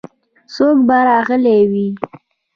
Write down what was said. څوک به راغلي وي.